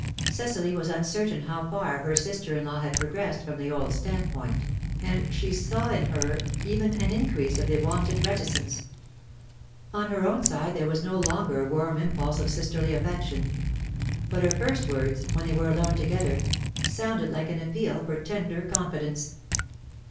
Cecily was uncertain how far her sister in law had progressed from the old standpoint, and she saw in her even an increase of the wonted reticence. On her own side there was no longer a warm impulse of sisterly affection. But her first words, when they were alone together, sounded like an appeal for tender confidence.